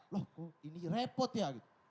loh kok ini repot ya gitu